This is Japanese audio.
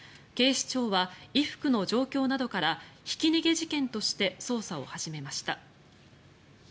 警視庁は衣服の状況などからひき逃げ事件として捜査を始めました。